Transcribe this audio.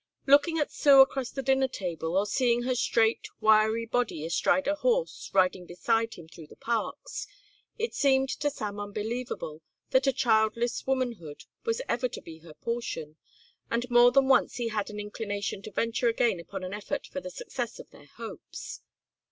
Looking at Sue across the dinner table or seeing her straight, wiry body astride a horse riding beside him through the parks, it seemed to Sam unbelievable that a childless womanhood was ever to be her portion, and more than once he had an inclination to venture again upon an effort for the success of their hopes.